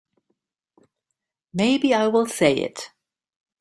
Maybe I will say it.